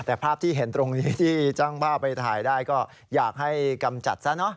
แต่ภาพที่เห็นตรงนี้ที่ช่างภาพไปถ่ายได้ก็อยากให้กำจัดซะเนอะ